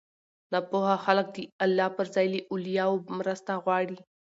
ناپوهه خلک د الله پر ځای له اولياوو مرسته غواړي